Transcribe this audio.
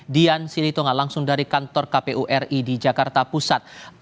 dian silitonga langsung dari kantor kpu ri di jakarta pusat